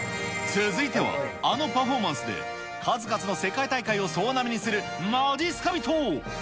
続いては、あのパフォーマンスで数々の世界大会を総なめにするまじっすか人。